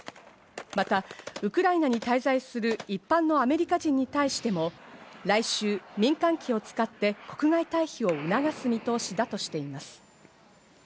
またウクライナに滞在する一般のアメリカ人に対しても、来週、民間機を使って国外退避を促す見通しだとしています。